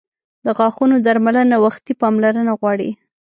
• د غاښونو درملنه وختي پاملرنه غواړي.